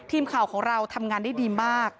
ทีมข่าวของเราทำงานได้ดีมาก